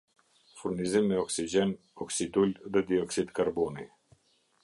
Furnizim me oksigjen, oksidul dhe dioksid karboni